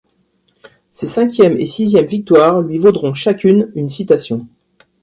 Ses cinquième et sixième victoires lui vaudront chacune une citation.